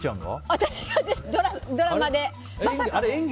私が、ドラマで。